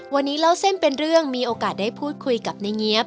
วันนี้เล่าเส้นเป็นเรื่องมีโอกาสได้พูดคุยกับในเงี๊ยบ